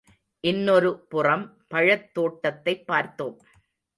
இன்னொரு புறம் பழத்தோட்டத்தைப் பார்த்தோம்.